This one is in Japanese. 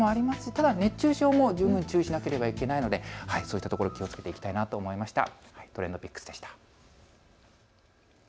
ただ熱中症も十分注意しなければいけないので気を付けていきたいなと思いました。